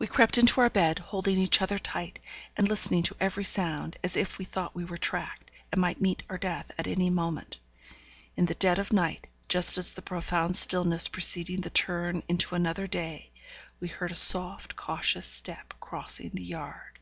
We crept into our bed, holding each other tight, and listening to every sound, as if we thought we were tracked, and might meet our death at any moment. In the dead of night, just at the profound stillness preceding the turn into another day, we heard a soft, cautious step crossing the yard.